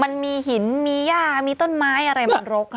มันมีหินมีย่ามีต้นไม้อะไรมันรก